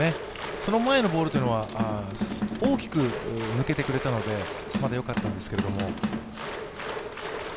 その前のボールは、大きく抜けてくれたのでまだよかったんですけれども。